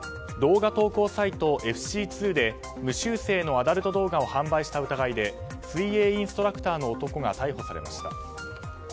動画投稿サイトＦＣ２で無修正のアダルト動画を販売した疑いで水泳インストラクターの男が逮捕されました。